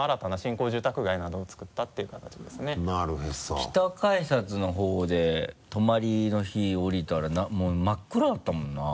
北改札の方で泊まりの日降りたらもう真っ暗だったもんな。